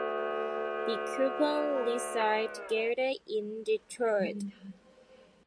The couple resides together in Detroit.